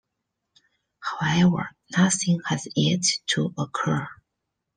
However, nothing has yet to occur.